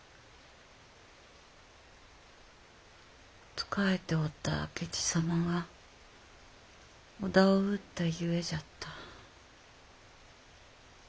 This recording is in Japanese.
仕えておった明智様が織田を討ったゆえじゃった。